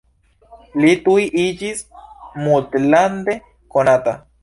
Li tuj iĝis tutlande konata.